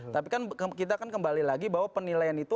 tapi kan kita kan kembali lagi bahwa penilaian itu